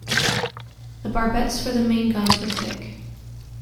The barbettes for the main guns were thick.